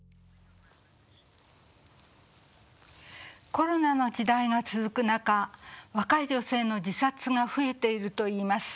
コロナの時代が続く中若い女性の自殺が増えているといいます。